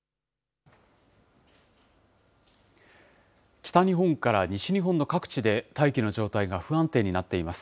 北日本から西日本の各地で大気の状態が不安定になっています。